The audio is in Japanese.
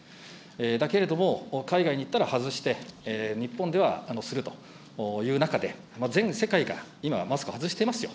だけれども、海外に行ったら外して、日本ではするという中で、全世界が今、マスク外してますよ。